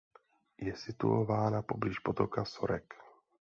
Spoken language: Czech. Je situována poblíž potoka Sorek.